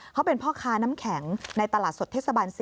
เขาเป็นพ่อค้าน้ำแข็งในตลาดสดเทศบาล๔